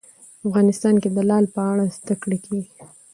افغانستان کې د لعل په اړه زده کړه کېږي.